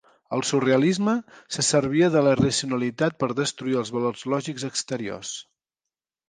El surrealisme se servia de la irracionalitat per destruir els valors lògics exteriors.